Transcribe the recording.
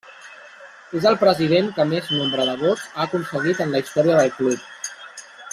És el president que més nombre de vots ha aconseguit en la història del club.